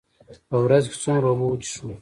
په ورځ کې څومره اوبه وڅښو؟